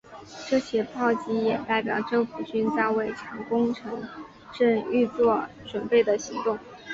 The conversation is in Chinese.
这起炮击也代表政府军在为强攻城镇预作准备的行动。